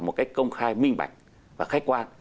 một cách công khai minh bạch và khách quan